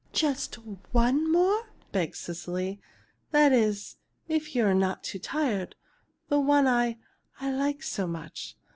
"Just one more," begged Cecily; "that is if you're not too tired. The one I I like so much!"